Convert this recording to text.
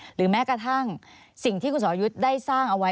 หรือแม้กระทั่งสิ่งที่คุณสอรยุทธ์ได้สร้างเอาไว้